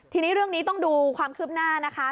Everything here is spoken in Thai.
ทีนี้เรื่องนี้ต้องดูความคืบหน้านะคะ